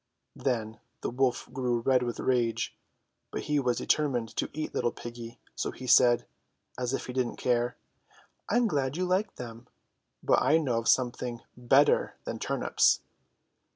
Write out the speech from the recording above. Then the wolf grew red with rage ; but he was deter mined to eat little piggy, so he said, as if he didn't care : "I'm glad you like them ; but I know of something better than turnips."